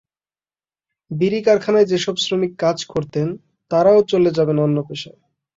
বিড়ি কারখানায় যেসব শ্রমিক কাজ করতেন, তাঁরা চলে যাবেন অন্য পেশায়।